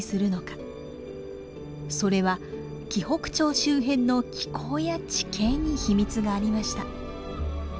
それは紀北町周辺の気候や地形に秘密がありました。